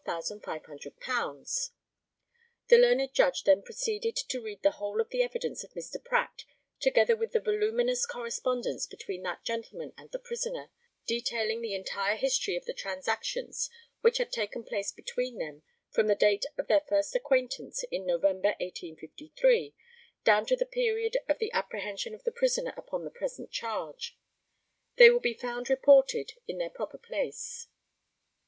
[The learned Judge then proceeded to read the whole of the evidence of Mr. Pratt, together with the voluminous correspondence between that gentleman and the prisoner, detailing the entire history of the transactions which had taken place between them from the date of their first acquaintance in November, 1853, down to the period of the apprehension of the prisoner upon the present charge. They will be found reported in their proper place.